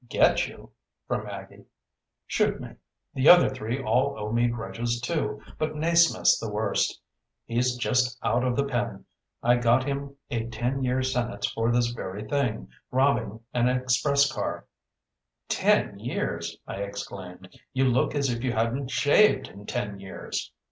"Get you?" from Aggie. "Shoot me. The other three all owe me grudges, too, but Naysmith's the worst. He's just out of the pen I got him a ten year sentence for this very thing, robbing an express car." "Ten years!" I exclaimed. "You look as if you hadn't shaved in ten years!"